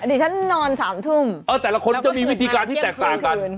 ดิฉันนอน๓ทุ่มแล้วก็เกือบคุ้นคืนแต่ละคนจะมีวิธีการที่แตกต่างกัน